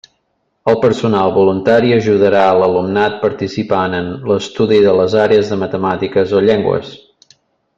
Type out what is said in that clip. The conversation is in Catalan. El personal voluntari ajudarà l'alumnat participant en l'estudi de les àrees de matemàtiques o llengües.